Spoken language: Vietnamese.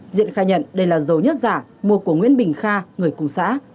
diện khai nhận đây là dầu nhất giả mua của nguyễn bình kha người cùng xã